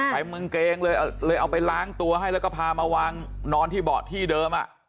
ไปเมืองเกงเลยเลยเอาไปล้างตัวให้แล้วก็พามาวางนอนที่เบาะที่เดิม